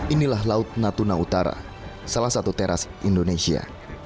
inilah laut natuna utara salah satu teras indonesia